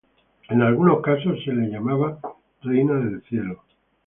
En algunos casos se la llamaba "Reina del Cielo".